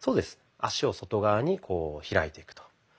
脚を外側にこう開いていくと。